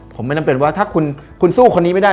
ผมไม่ต้องเปลี่ยนว่าถ้าคุณสู้คนนี้ไม่ได้